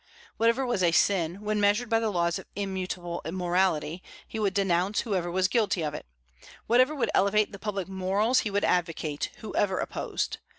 Whatever was a sin, when measured by the laws of immutable morality, he would denounce, whoever was guilty of it; whatever would elevate the public morals he would advocate, whoever opposed.